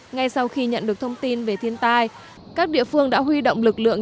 ngay sau khi nhận được thông tin về thiên tai các địa phương đã huy động lực lượng